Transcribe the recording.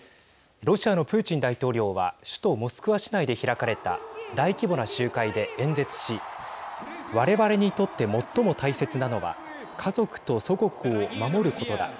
ロシアのプーチン大統領は首都モスクワ市内で開かれた大規模な集会で演説し我々にとって最も大切なのは家族と祖国を守ることだ。